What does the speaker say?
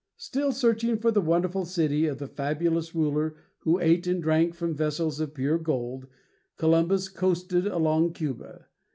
Still searching for the wonderful city of the fabulous ruler who ate and drank from vessels of pure gold, Columbus coasted along Cuba.